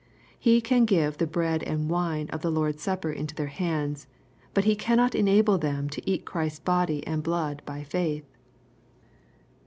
He can give the bread and wine of the Lord's Supper into their hands, but he cannot enable them to eat Christ's body and blood by faith.